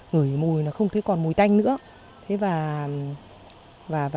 ngửi mùi không thấy còn mùi tanh nữa